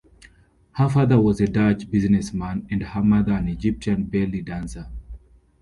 Her father was a Dutch businessman and her mother an Egyptian belly dancer.